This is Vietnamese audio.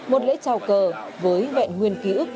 một lễ trào cờ với vẹn nguyên ký ức